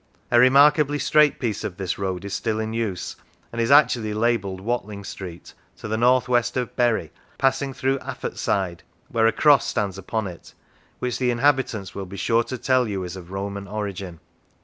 A remarkably straight piece of this road is still in use, and is actually labelled Watling Street, to the north west of Bury, passing through Affetside, where a cross stands upon it, which the inhabitants will be sure to tell you is of Roman origin.